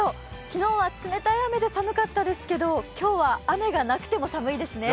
昨日は冷たい雨で寒かったですけど、今日は雨がなくても寒いですね。